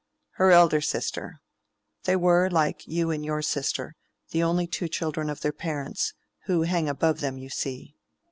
"Her elder sister. They were, like you and your sister, the only two children of their parents, who hang above them, you see."